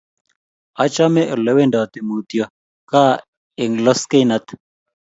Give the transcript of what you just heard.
achame ole wendoti mutyo ka eng' loskeinat